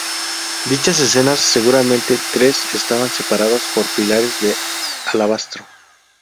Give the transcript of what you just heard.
Dichas escenas, seguramente tres, estaban separadas por pilares de alabastro.